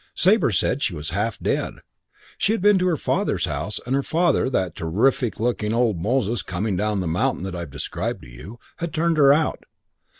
Sabre said she was half dead. She'd been to her father's house, and her father, that terrific looking old Moses coming down the mountain that I've described to you, had turned her out.